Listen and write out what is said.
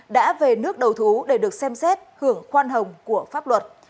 đã về nước đầu thú để được xem xét hưởng khoan hồng của pháp luật